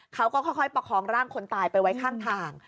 เขาก็ค่อยประคองร่างคนตายไปไว้ข้างทาง